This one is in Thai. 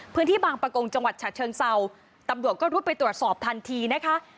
พื้นที่บางประกงจังหวัดฉะเชิงเศร้าตำรวจก็รุดไปตรวจสอบทันทีนะคะ